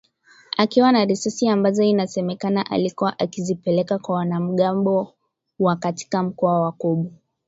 akiwa na risasi ambazo inasemekana alikuwa akizipeleka kwa wanamgambo wa katika mkoa wa Kobu